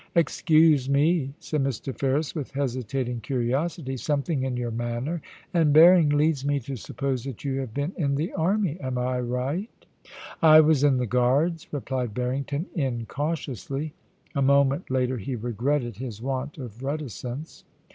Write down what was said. * Excuse me,' said Mr. Ferris, with hesitating curiosity ;* something in your manner and bearing leads me to sup pose that you have been in the army ; am I right ?'* I was in the Guards,' replied Barrington, incautiously. A moment later he regretted his want of reticence.